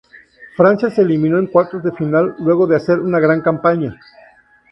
Francia se eliminó en cuartos de final luego de hacer una gran campaña.